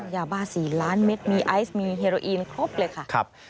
ยาบ้า๔ล้านเม็ดมีไอซ์มีเฮโรอีนครบเลยค่ะ